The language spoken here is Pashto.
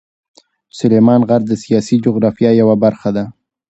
سلیمان غر د سیاسي جغرافیه یوه برخه ده.